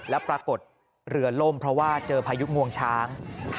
แล้วปรากฏเรือล่มเพราะว่าเจอพายุงวงช้าง